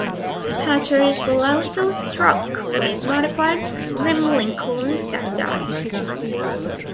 Patterns were also struck with modified rim Lincoln cent dies.